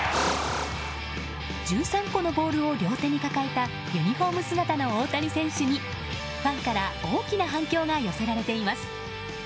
１３個のボールを両手に抱えたユニホーム姿の大谷選手にファンから大きな反響が寄せられています。